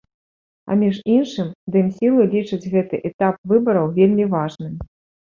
А між іншым, дэмсілы лічаць гэты этап выбараў вельмі важным.